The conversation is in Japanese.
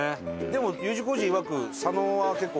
でもＵ字工事いわく佐野は結構。